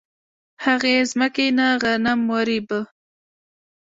هغې ځمکې نه غنم ورېبه